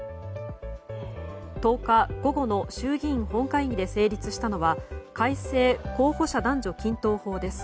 １０日午後の衆議院本会議で成立したのは改正候補者男女均等法です。